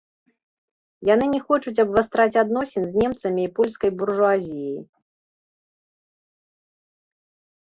Яны не хочуць абвастраць адносін з немцамі і польскай буржуазіяй.